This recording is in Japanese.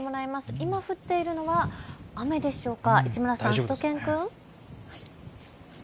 今、降っているのは雨でしょうか、市村さん、しゅと犬くん。